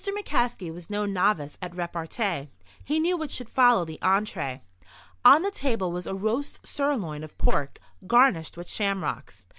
McCaskey was no novice at repartee. He knew what should follow the entrée. On the table was a roast sirloin of pork, garnished with shamrocks.